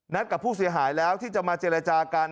กับผู้เสียหายแล้วที่จะมาเจรจากัน